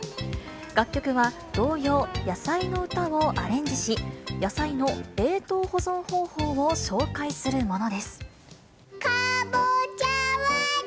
楽曲は童謡、やさいのうたをアレンジし、野菜の冷凍保存方法を紹介するものです。